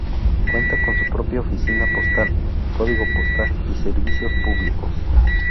Cuenta con su propia oficina postal, código postal y servicios públicos.